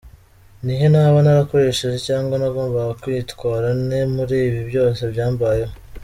Nihe naba narakosheje cg nagombaga kwitwara nte muri ibi byose byambayeho